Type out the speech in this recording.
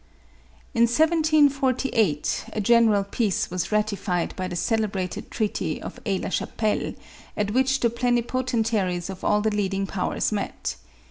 200 MARIA THERESA. In 1748, a general peace was ratified by the celebrated treaty of Aix la Chapelle, at which the plenipotentiaries of all the leading powers, met.